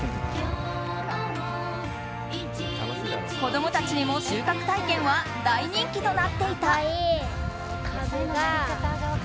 子供たちにも収穫体験は大人気となっていた。